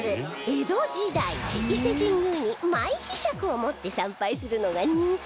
江戸時代伊勢神宮にマイ柄杓を持って参拝するのが人気に